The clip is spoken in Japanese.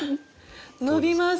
伸びます。